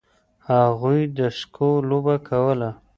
هغوی د سکو لوبه کوله.